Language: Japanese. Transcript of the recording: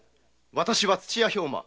私は土屋兵馬。